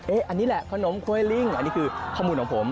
อันนี้แหละขนมกล้วยลิ่งอันนี้คือข้อมูลของผม